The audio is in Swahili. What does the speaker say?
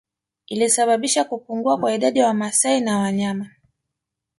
Ilisababisha kupungua kwa idadi ya Wamasai na wanyama